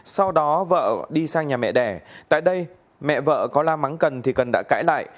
sau đó vợ đi sang nhà mẹ đẻ tại đây mẹ vợ có la mắng cần thì cần đã cãi lại